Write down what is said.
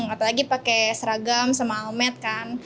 apalagi pakai seragam sama almed kan